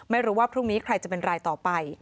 ไม่รู้ว่าพรุ่งนี้ใครจะเป็นรายต่อไป